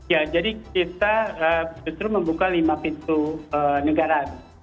ya jadi kita justru membuka lima pintu negara